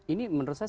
ini menurut saya